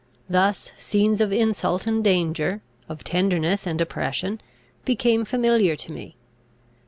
Thus scenes of insult and danger, of tenderness and oppression, became familiar to me.